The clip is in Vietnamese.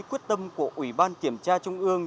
quyết tâm của ủy ban kiểm tra trung ương